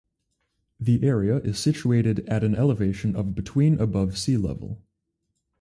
The area is situated at an elevation of between above sea level.